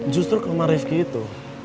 justru ke rumah rifki itu